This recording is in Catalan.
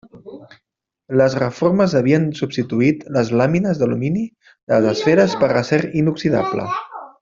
Les reformes havien substituït les làmines d'alumini de les esferes per acer inoxidable.